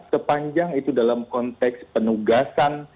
sepanjang itu dalam konteks penugasan